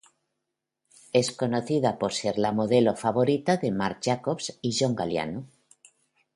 Es conocida por ser la modelo favorita de Marc Jacobs y John Galliano.